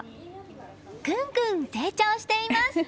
ぐんぐん成長しています！